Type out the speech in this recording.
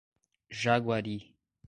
Jaguari